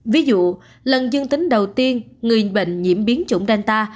ví dụ lần dương tính đầu tiên người bệnh nhiễm biến chủng danta